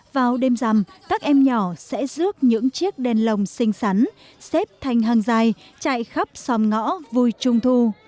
vào đêm rằm các em nhỏ sẽ rước những chiếc đèn lồng xinh xắn xếp thành hàng dài chạy khắp som ngõ vui trung thu